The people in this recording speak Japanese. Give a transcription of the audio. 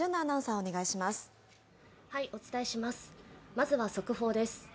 まずは速報です。